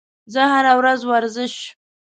زه هره ورځ ورزش